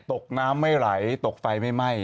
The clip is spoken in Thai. ตกน้ำไม่ไหลตกไฟไม่ไหม้